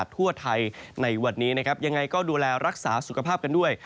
ทั่วไทยในวันนี้นะครับยังไงก็ดูแลรักษาสุขภาพกันด้วย